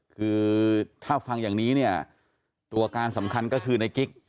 คือถ้าฟังอย่างนี้เนี่ยตัวการสำคัญก็คือในกิ๊ก